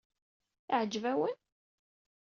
Yeɛjeb-awen?